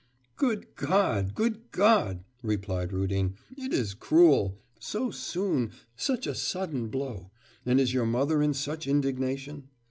'Good God, good God!' replied Rudin, 'it is cruel! So soon... such a sudden blow!... And is your mother in such indignation?